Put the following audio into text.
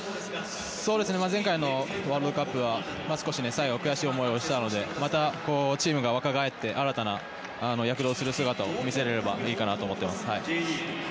前回のワールドカップは少し、最後に悔しい思いをしたのでチームが若返って新たな躍動する姿を見せれればいいかなと思います。